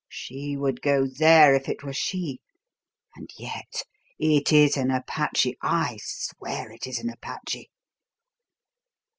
She would go there if it were she. And yet it is an Apache: I swear it is an Apache!"